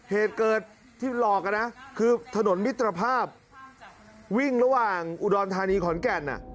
เหตุเกิดที่หลอกนะคือถนนมิตรภาพวิ่งระหว่างอุดรธานีขอนแก่น